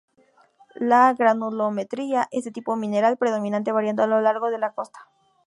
La granulometría es de tipo mineral predominante, variando a lo largo de la costa.